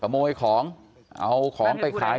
ขำ้าบร้อยของเอาของไปขาย